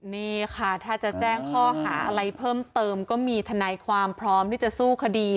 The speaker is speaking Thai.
นี่ค่ะถ้าจะแจ้งข้อหาอะไรเพิ่มเติมก็มีทนายความพร้อมที่จะสู้คดี